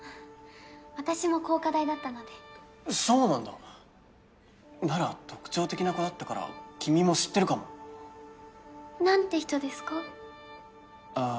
私も高花大だったのでそうなんだなら特徴的な子だったから君も知ってるかも何て人ですか？